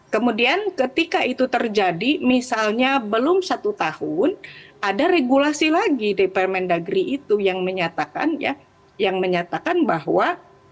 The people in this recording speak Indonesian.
kemudian ketika itu terjadi misalnya belum satu tahun ada regulasi lagi di permendagri itu yang menyatakan bahwa